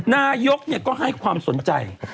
นายกก็ให้ความสนใจ